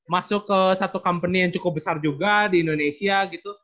masuk ke satu company yang cukup besar juga di indonesia gitu